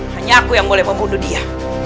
hanya aku yang mulai membunuh dia